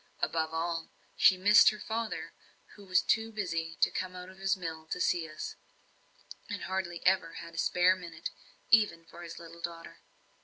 Above all, she missed her father, who was too busy to come out of his mill to us, and hardly ever had a spare minute, even for his little daughter.